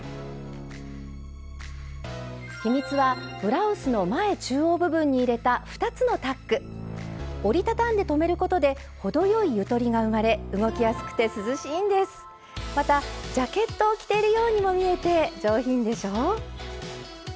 秘密はブラウスの前中央部分に入れた折りたたんで留めることで程よいゆとりが生まれまたジャケットを着ているようにも見えて上品でしょう。